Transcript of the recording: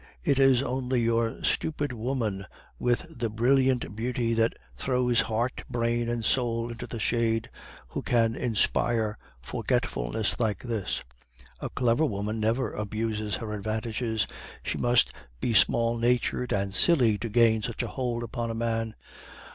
It is only your stupid woman with the brilliant beauty that throws heart, brain, and soul into the shade, who can inspire forgetfulness like this; a clever woman never abuses her advantages; she must be small natured and silly to gain such a hold upon a man.